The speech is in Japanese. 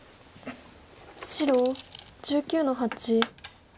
白１９の八。